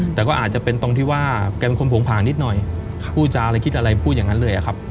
แต่ก็อาจจะเป็นตรงที่ว่าแกเป็นคนโผงผ่างนิดหน่อยพูดจาอะไรคิดอะไรพูดอย่างนั้นเลยอะครับ